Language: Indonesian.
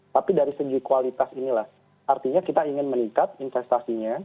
tapi dari segi kualitas inilah artinya kita ingin meningkat investasinya